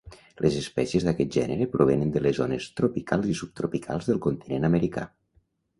Les espècies d'aquest gènere provenen de les zones tropicals i subtropicals del continent americà.